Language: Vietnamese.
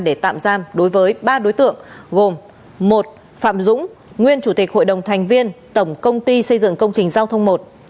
để tạm giam đối với ba đối tượng gồm một phạm dũng nguyên chủ tịch hội đồng thành viên tổng công ty xây dựng công trình giao thông một